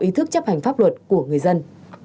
ý thức chấp hành pháp luật của người dân